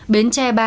bến tre ba